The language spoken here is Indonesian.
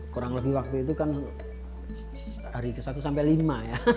kurang lebih waktu itu kan hari ke satu sampai lima ya